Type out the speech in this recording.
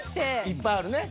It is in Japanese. いっぱいあるね。